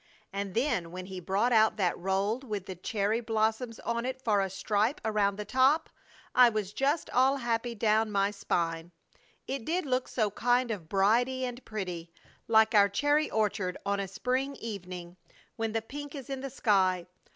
And then when he brought out that roll with the cherry blossoms on it for a stripe around the top, I was just all happy down my spine, it did look so kind of bridey and pretty, like our cherry orchard on a spring evening when the pink is in the sky.